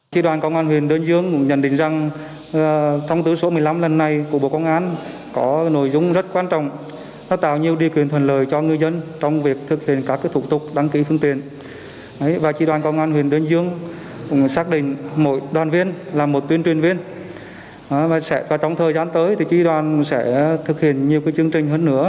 chúng tôi biết về những quy định mới của bộ công an trong việc thực hiện công tác đăng ký xe